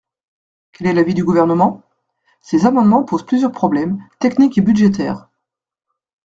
Quel est l’avis du Gouvernement ? Ces amendements posent plusieurs problèmes, techniques et budgétaires.